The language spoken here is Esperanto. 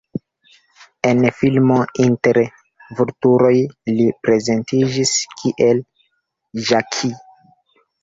En filmo Inter vulturoj li prezentiĝis kiel Jackie.